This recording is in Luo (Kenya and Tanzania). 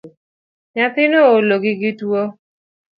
Nyathino oolo gi gi tuo